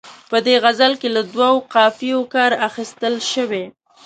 په دې غزل کې له دوو قافیو کار اخیستل شوی.